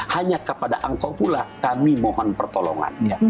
hanya kepada engkau pula kami mohon pertolongan